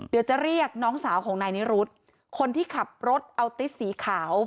เดี๋ยวจะเรียกน้องสาวของนายนิรุธคนที่ขับรถอัลติสีขาว